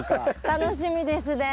楽しみですね。